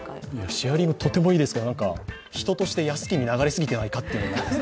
シェアリングとてもいいですけど、人としてやすきに流れすぎているなと。